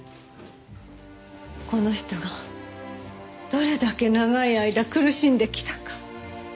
この人がどれだけ長い間苦しんできたか。